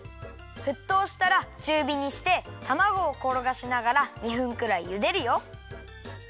ふっとうしたらちゅうびにしてたまごをころがしながら２分くらいゆでるよ。